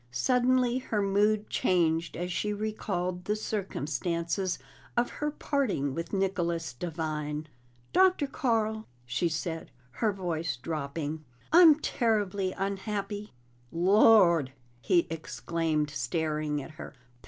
Suddenly her mood changed as she recalled the circumstances of her parting with Nicholas Devine. "Dr. Carl," she said, her voice dropping, "I'm terribly unhappy." "Lord!" he exclaimed staring at her.